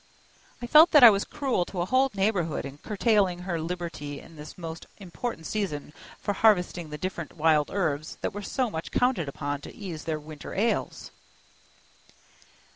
I felt that I was cruel to a whole neighborhood in curtailing her liberty in this most important season for harvesting the different wild herbs that were so much counted upon to ease their winter ails.